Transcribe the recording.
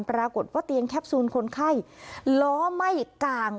ปรากฏว่าเตียงแคปซูลคนไข้ล้อไหม้กลาง